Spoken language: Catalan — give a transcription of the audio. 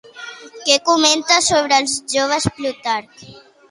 Què comenta sobre els joves Plutarc?